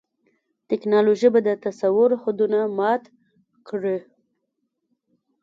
ټیکنالوژي به د تصور حدونه مات کړي.